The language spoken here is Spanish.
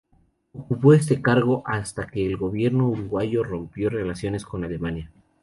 Ocupó ese cargo hasta que el gobierno uruguayo rompió relaciones con Alemania.